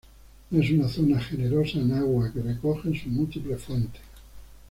Es una zona generosa en agua que recogen sus múltiples fuentes.